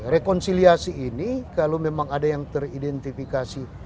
rekonsiliasi ini kalau memang ada yang teridentifikasi